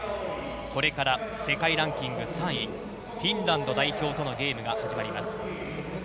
これから世界ランキング３位フィンランド代表とのゲームが始まります。